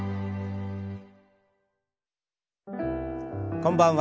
こんばんは。